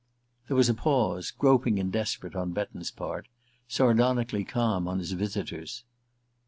There was a pause, groping and desperate on Betton's part, sardonically calm on his visitor's.